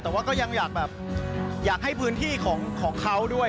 แต่ว่าก็ยังอยากแบบอยากให้พื้นที่ของเขาด้วย